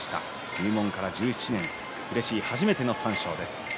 入門から１７年うれしい初めての三賞です。